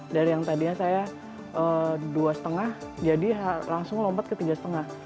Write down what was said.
dari yang tadinya saya dua lima jadi langsung lompat ke tiga lima